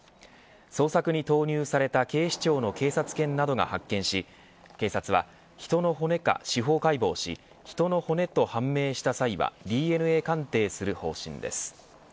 捜索に投入された警視庁の警察犬などが発見し警察は人の骨か司法解剖し人の骨と判明した際はＤＮＡ鑑定する方針です。